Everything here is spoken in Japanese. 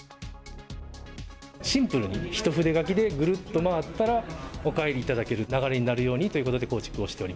シンプルに一筆書きでぐるっと回ったら、お帰りいただける流れになるようにということで、構築をしており